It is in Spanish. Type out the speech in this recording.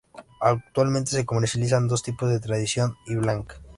Actualmente se comercializan dos tipos, tradicional y blanca.